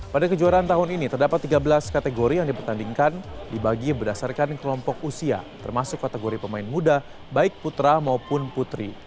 pada kejuaraan tahun ini terdapat tiga belas kategori yang dipertandingkan dibagi berdasarkan kelompok usia termasuk kategori pemain muda baik putra maupun putri